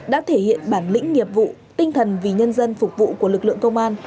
đã thể hiện bản lĩnh nghiệp vụ tinh thần vì nhân dân phục vụ của lực lượng công an